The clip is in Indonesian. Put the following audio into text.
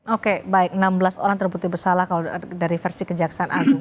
oke baik enam belas orang terbukti bersalah kalau dari versi kejaksaan agung